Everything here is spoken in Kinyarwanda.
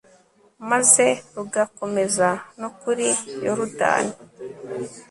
maze rugakomeza no kuri yorudani